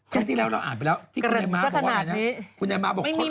ครั้งที่แล้วเราอ่านไปแล้วที่คุณยายม้าบอกว่า